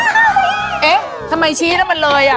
เอ๊ะทำไมชี้แล้วมันเลยอ่ะ